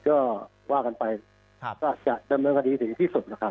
ก็ว่ากันไปก็จะดำเนินคดีถึงที่สุดนะครับ